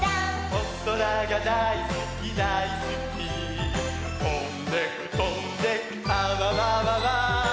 「おそらがだいすきだいすき」「とんでくとんでくあわわわわ」